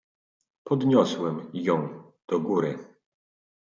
"Podniosłem ją do góry."